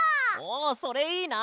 おおそれいいな！